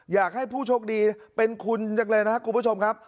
อยากให้ผู้โชคดีเป็นคุณจังเลยนะครับคุณผู้ชมครับ